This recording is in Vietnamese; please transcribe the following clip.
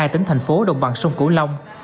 một mươi hai tỉnh thành phố đồng bằng sông cổ long